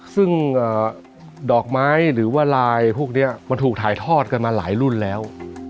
ซึ่งดอกไม้หรือว่าลายพวกนี้มันถูกถ่ายทอดกันมาหลายรุ่นแล้ว